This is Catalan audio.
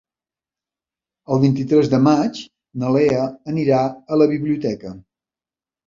El vint-i-tres de maig na Lea anirà a la biblioteca.